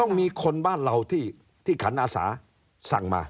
ต้องมีคนบ้านเราที่ขันอาสาสั่งมา